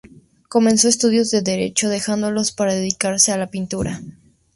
Comenzó estudios de derecho dejándolos para dedicarse a la pintura.